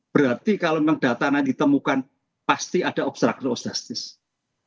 berarti kalau memang data yang ditemukan pasti ada obstruction or obstructive